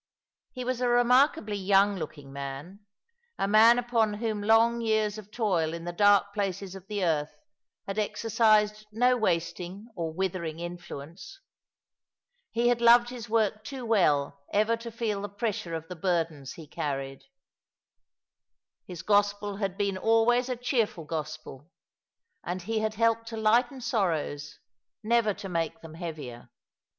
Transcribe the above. He was a remarkably young looking man, a man upon whom *' So, Full Content shall he my Lot!^ 2S5 long years of toil in the dark places of the earth had exercised no wasting or withering influence. He had loved his work too well ever to feel the pressure of the burdens he carried. His gospel had been always a cheerful gospel, and he had helped to lighten sorrows, never to make them heavier.